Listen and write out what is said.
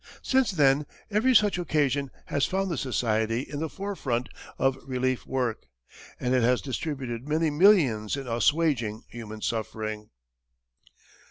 Since then, every such occasion has found the society in the forefront of relief work, and it has distributed many millions in assuaging human suffering.